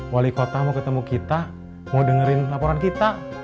wali kota mau ketemu kita mau dengerin laporan kita